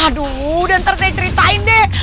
aduh nanti saya ceritain deh